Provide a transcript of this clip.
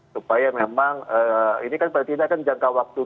supaya memang ini kan pada tindakan jangka waktu